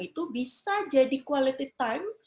itu bisa jadi quality time